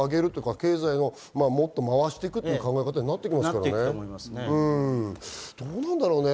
経済をもっと回していくという考え方になってくると思いますからね。